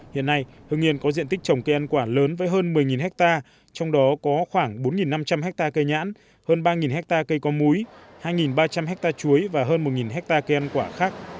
hiện nay hưng yên có diện tích trồng cây ăn quả lớn với hơn một mươi ha trong đó có khoảng bốn năm trăm linh ha cây nhãn hơn ba ha cây con múi hai ba trăm linh ha chuối và hơn một ha cây ăn quả khác